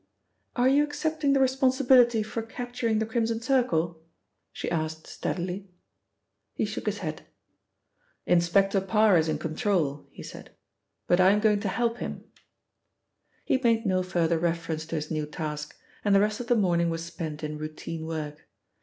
"Are you accepting the responsibility for capturing the Crimson Circle?" she asked steadily. He shook his head. "Inspector Parr is in control," he said, "but I am going to help him." He made no further reference to his new task, and the rest of the morning was spent in routine work.